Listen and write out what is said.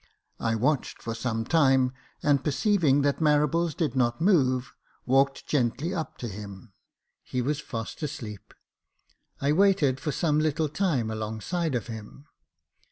I watched for some time, and perceiving that Marables did not move, walked gently up to him. He was fast asleep ; I waited for some little time alongside of him.